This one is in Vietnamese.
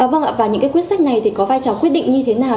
vâng ạ và những quyết sách này thì có vai trò quyết định như thế nào